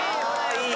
いい！